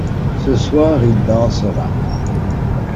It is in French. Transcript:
Ce soir il dansera.